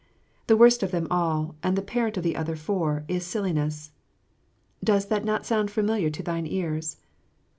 The worst of them all, and the parent of the other four, is silliness. "Does that not sound familiar to thine ears?